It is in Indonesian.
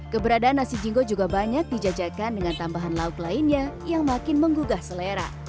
keberadaan nasi jingo juga banyak dijajakan dengan tambahan lauk lainnya yang makin menggugah selera